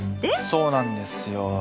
そうなんですよ。